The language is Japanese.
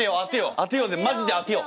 当てようぜマジで当てよう！